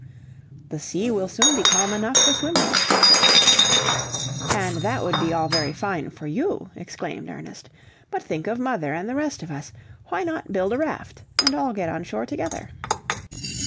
"The sea will soon be calm enough for swimming," said Fritz. "And that would be all very fine for you," exclaimed Ernest, "but think of mother and the rest of us! Why not build a raft and all get on shore together?"